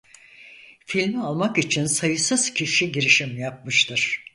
Filmi almak için sayısız kişi girişim yapmıştır.